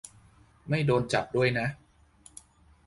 ไม่โดนจับด้วยนะ